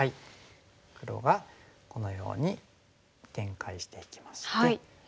黒がこのように展開していきまして。